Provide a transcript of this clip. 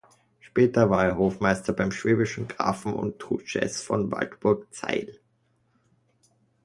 Später war er Hofmeister beim schwäbischen Grafen und Truchsess von Waldburg-Zeil.